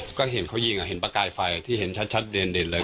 ก็เห็นเขายิงเห็นประกายไฟที่เห็นชัดเด่นเลย